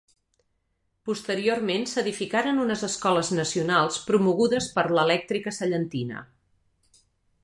Posteriorment s'edificaren unes escoles Nacionals promogudes per l'Elèctrica Sallentina.